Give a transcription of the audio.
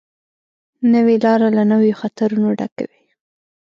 نوې لاره له نویو خطرونو ډکه وي